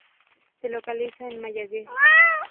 Se localiza en Mayagüez.